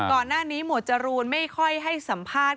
ก่อนหน้านี้หมวดจรูนไม่ค่อยให้สัมภาษณ์